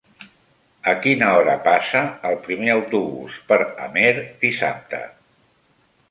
A quina hora passa el primer autobús per Amer dissabte?